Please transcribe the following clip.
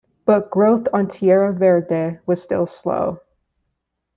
But growth on Tierra Verde was still slow.